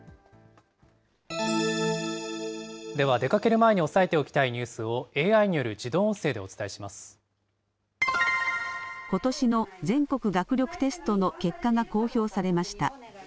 では、出かける前に押さえておきたいニュースをＡＩによる自動音声でおことしの全国学力テストの結果が公表されました。